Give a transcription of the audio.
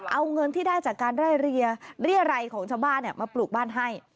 เอาเงินที่ได้จากการไล่เรียรัยของชาวบ้านมาปลูกบ้านให้